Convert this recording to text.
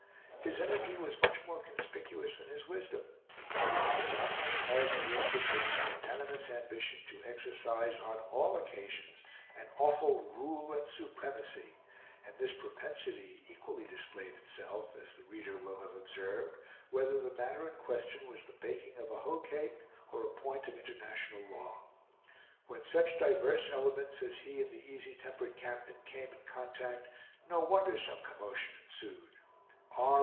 His energy was much more conspicuous than his wisdom; but his predominant characteristic was a magnanimous ambition to exercise on all occasions an awful rule and supremacy, and this propensity equally displayed itself, as the reader will have observed, whether the matter in question was the baking of a hoe cake or a point of international law. When such diverse elements as he and the easy tempered captain came in contact, no wonder some commotion ensued; R.